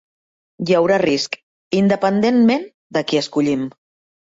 Hi haurà risc, independentment de qui escollim.